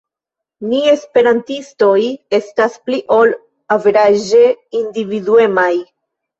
Ni esperantistoj estas pli ol averaĝe individuemaj.